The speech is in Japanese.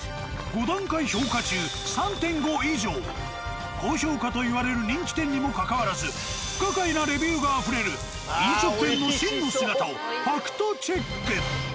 ５段階評価中３．５以上高評価といわれる人気店にもかかわらず不可解なレビューがあふれる飲食店の真の姿をファクトチェック。